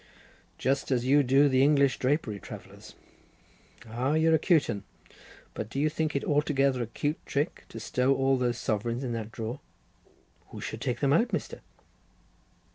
"Just as you do the English drapery travellers. Ah, you're a cute un—but do you think it altogether a cute trick to stow all those sovereigns in that drawer?" "Who should take them out, Mr.?"